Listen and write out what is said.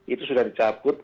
itu sudah dicabut